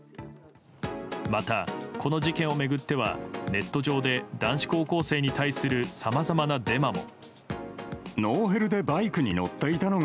また、この事件を巡ってはネット上で男子高校生に対するさまざまなデマも。